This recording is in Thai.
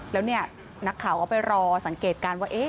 แล้วเนี่ยนักข่าวก็ไปรอสังเกตการณ์ว่า